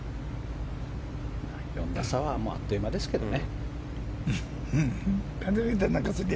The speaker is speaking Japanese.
４打差はあっという間ですけどね。